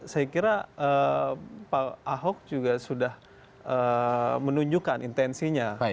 saya kira pak ahok juga sudah menunjukkan intensinya